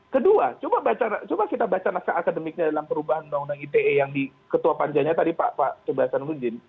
kedua coba kita baca naskah akademiknya dalam perubahan undang undang ite yang di ketua panjanya tadi pak cobasanuddin